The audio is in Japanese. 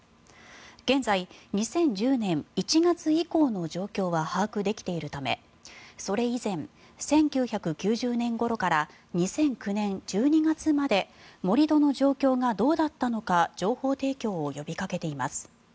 現在、２０１０年１月以降の状況は把握できているためそれ以前、１９９０年ごろから２００９年１２月まで盛り土の状況がどうだったのか情報提供を呼びかけています。